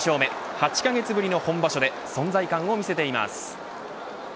８カ月ぶりの本場所で存在感を見せています。